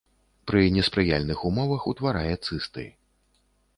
Пры неспрыяльных умовах утварае цысты.